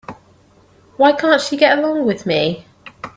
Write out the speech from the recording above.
Why can't she get along with me?